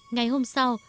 ngày hôm sau